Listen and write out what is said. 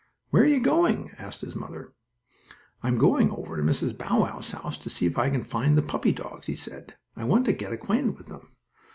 "Where are you going?" asked his mother. "I'm going over to Mrs. Bow Wow's house to see if I can find the puppy dogs," he said. "I want to get acquainted with them."